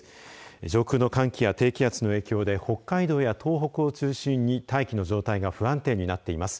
上空の寒気や低気圧の影響で北海道や東北を中心に大気の状態が不安定になっています。